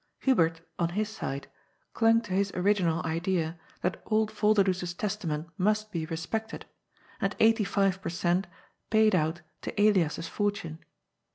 Hubert, on his side, clung to his original idea that old Yolderdoes's testament must be respected, and eighty five per cent, paid out to Elias's fortune.